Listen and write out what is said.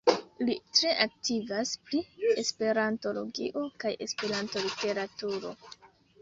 Li tre aktivas pri esperantologio kaj esperanto-literaturo.